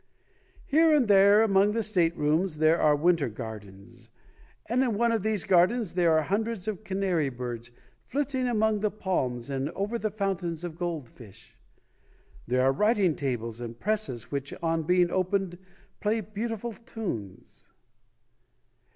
Here and there among the state rooms there are winter gardens. And in one of these gardens, there are hundreds of canary birds flitting among the palms and over the fountains of gold fish. There are writing tables and presses which on being opened play beautiful tunes."